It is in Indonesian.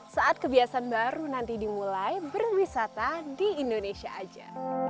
saat kebiasaan baru nanti dimulai berwisata di indonesia aja